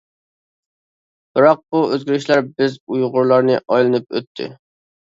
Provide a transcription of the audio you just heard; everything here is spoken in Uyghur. بىراق بۇ ئۆزگىرىشلەر بىز، ئۇيغۇرلارنى، ئايلىنىپ ئۆتتى.